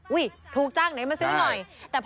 อุ้ยถูกจังไหนมาซื้อหน่อย